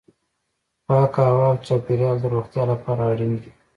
پاکه هوا او چاپیریال د روغتیا لپاره اړین دي.